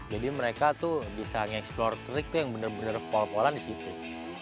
jadi mereka tuh bisa nge explore trik yang benar benar pol polan di situ